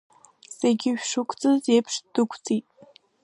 Зегьы шәшықәҵыз еиԥш дықәҵит.